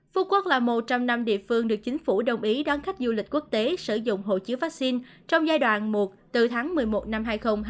phú quốc là một trong năm địa phương được chính phủ đồng ý đón khách du lịch quốc tế sử dụng hộ chiếu vaccine trong giai đoạn một từ tháng một mươi một năm hai nghìn hai mươi